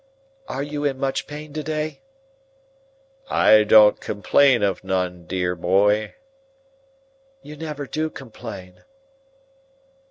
"Are you in much pain to day?" "I don't complain of none, dear boy." "You never do complain."